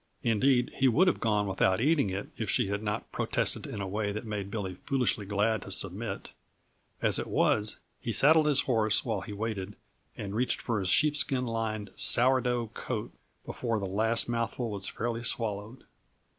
Indeed, he would have gone without eating it if she had not protested in a way that made Billy foolishly glad to submit; as it was, he saddled his horse while he waited, and reached for his sheepskin lined, "sour dough" coat before the last mouthful was fairly swallowed.